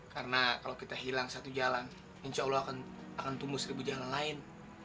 karena kalau kita hilang satu jalan insya allah akan tumbuh seribu jalan lain